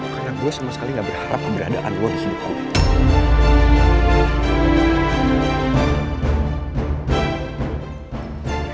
karena gue sama sekali gak berharap keberadaan lo di hidup gue